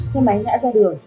xe máy ngã ra đường